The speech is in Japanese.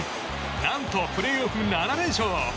何とプレーオフ７連勝。